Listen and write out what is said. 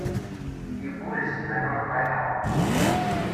Yeggul zzman ur friḥeɣ.